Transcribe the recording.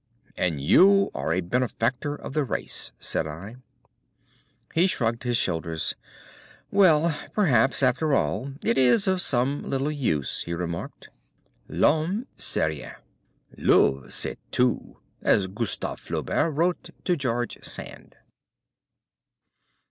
"And you are a benefactor of the race," said I. He shrugged his shoulders. "Well, perhaps, after all, it is of some little use," he remarked. "'L'homme c'est rien—l'œuvre c'est tout,' as Gustave Flaubert wrote to George Sand."